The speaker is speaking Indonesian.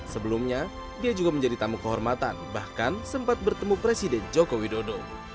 sebelumnya dia juga menjadi tamu kehormatan bahkan sempat bertemu presiden joko widodo